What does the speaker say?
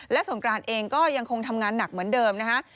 และสงกรานเองก็ยังคงทำงานหนักเหมือนเดิมนะฮะ